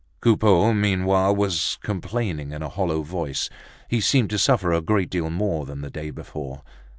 Coupeau, meanwhile, was complaining in a hollow voice. He seemed to suffer a great deal more than the day before.